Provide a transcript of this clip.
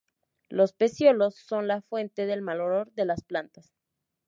Los pecíolos son la fuente del mal olor de la planta.